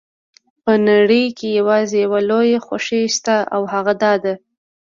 په نړۍ کې یوازې یوه لویه خوښي شته او هغه دا ده.